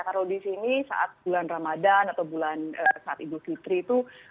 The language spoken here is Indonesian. kalau di sini saat bulan ramadhan atau bulan saat ibu fitri itu